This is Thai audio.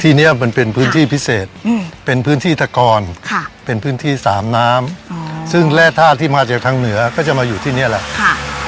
เนี้ยมันเป็นพื้นที่พิเศษเป็นพื้นที่ตะกอนค่ะเป็นพื้นที่สามน้ำซึ่งแร่ท่าที่มาจากทางเหนือก็จะมาอยู่ที่นี่แหละค่ะ